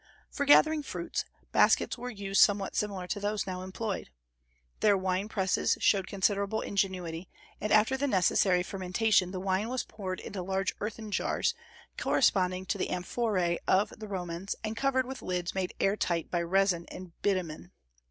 For gathering fruit, baskets were used somewhat similar to those now employed. Their wine presses showed considerable ingenuity, and after the necessary fermentation the wine was poured into large earthen jars, corresponding to the amphorae of the Romans, and covered with lids made air tight by resin and bitumen.